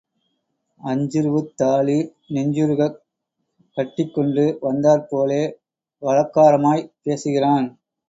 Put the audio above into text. அஞ்சுருவுத் தாலி நெஞ்சுருகக் கட்டிக்கொண்டு வந்தாற்போல வலக்காரமாய்ப் பேசுகிறான்.